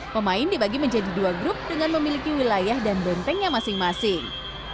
pemain dibagi menjadi dua grup dengan memiliki wilayah dan bentengnya masing masing